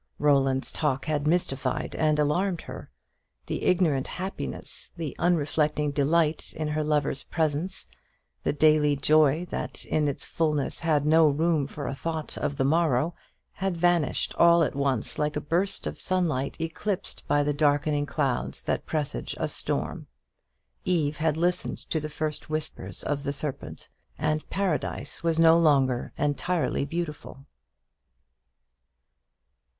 Roland's talk had mystified and alarmed her. The ignorant happiness, the unreflecting delight in her lover's presence, the daily joy that in its fulness had no room for a thought of the morrow, had vanished all at once like a burst of sunlight eclipsed by the darkening clouds that presage a storm. Eve had listened to the first whispers of the serpent, and Paradise was no longer entirely beautiful.